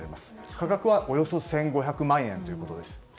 価格はおよそ１５００万円ということです。